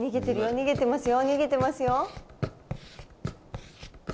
逃げてますよ。